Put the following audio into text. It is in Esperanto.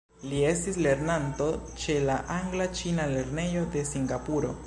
Li estis lernanto ĉe la Angla-Ĉina Lernejo de Singapuro.